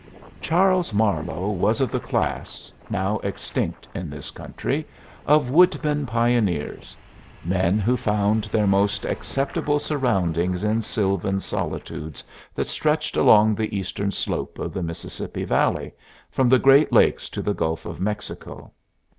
Charles Marlowe was of the class, now extinct in this country, of woodmen pioneers men who found their most acceptable surroundings in sylvan solitudes that stretched along the eastern slope of the Mississippi Valley, from the Great Lakes to the Gulf of Mexico.